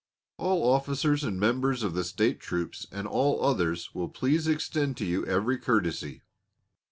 All Officers and members of the State Troops, and all others, will please extend to you every courtesy.